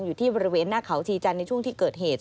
อยู่ที่บริเวณหน้าเขาชีจันทร์ในช่วงที่เกิดเหตุ